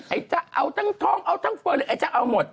ไอ้จะเอาทั้งท้องเอาทั้งเฟิร์นเลยไอ้จะเอาหมด